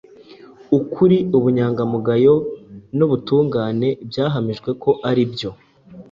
Ukuri, ubunyangamugayo n’ubutungane byahamijwe ko ari byo